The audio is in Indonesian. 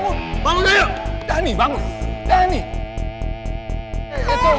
kamu semua ingat kepala mata di mana nau ini